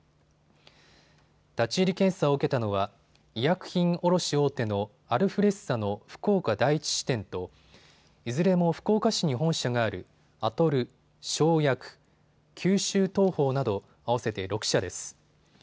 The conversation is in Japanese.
立ち入り検査を受けたのは医薬品卸大手のアルフレッサの福岡第一支店といずれも福岡市に本社があるアトル、翔薬、九州東邦など合わせて６社です。